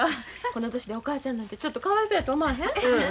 この年でお母ちゃんなんてちょっとかわいそうやと思わへん？